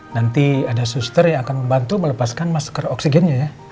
nanti ada suster yang akan membantu melepaskan masker oksigennya ya